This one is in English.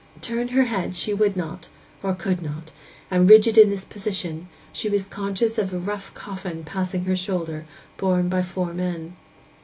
Turn her head she would not, or could not, and, rigid in this position, she was conscious of a rough coffin passing her shoulder, borne by four men.